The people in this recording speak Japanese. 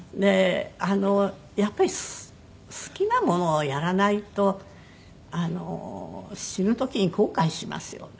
やっぱり好きなものをやらないと死ぬ時に後悔しますよね。